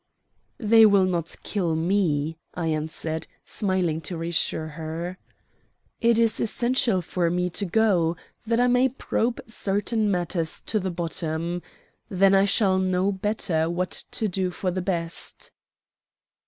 "They will not kill me," I answered, smiling to reassure her. "It is essential for me to go that I may probe certain matters to the bottom. Then I shall know better what to do for the best."